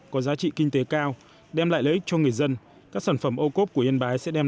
có giá trị kinh tế cao đem lại lợi ích cho người dân các sản phẩm ô cốp của yên bái sẽ đem